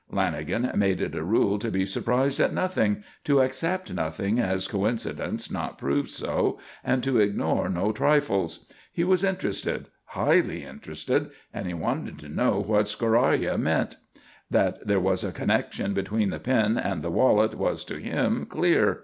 Lanagan made it a rule to be surprised at nothing, to accept nothing as coincidence not proved so, and to ignore no trifles. He was interested; highly interested, and he wanted to know what "scoraya" meant. That there was a connection between the pin and the wallet was, to him, clear.